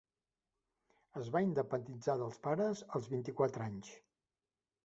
Es va independitzar dels pares als vint-i-quatre anys.